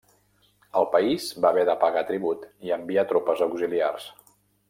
El país va haver de pagar tribut i enviar tropes auxiliars.